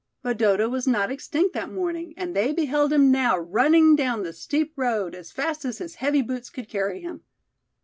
But Dodo was not extinct that morning, and they beheld him now running down the steep road as fast as his heavy boots could carry him.